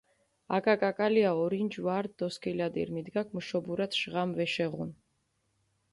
აკაკაკალია ორინჯი ვა რდჷ დოსქილადირ, მიდგაქ მუშობურათ ჟღამი ვეშეღუნ.